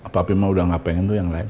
tapi mau udah nggak pengen tuh yang lain